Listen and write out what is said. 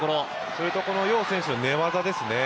それとこの楊選手の寝技ですね。